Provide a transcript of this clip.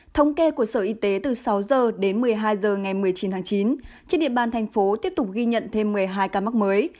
thống kê của sở y tế từ sáu h đến một mươi hai h ngày một mươi chín tháng chín trên địa bàn thành phố tiếp tục ghi nhận thêm một mươi hai ca mắc mới